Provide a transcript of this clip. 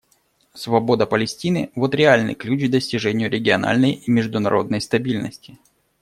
Свобода Палестины — вот реальный ключ к достижению региональной и международной стабильности.